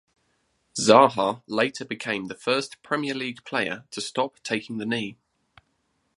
Zaha later became the first Premier League player to stop taking the knee.